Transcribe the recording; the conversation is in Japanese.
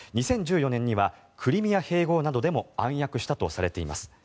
２０１４年にはクリミア併合などでも暗躍したとされています。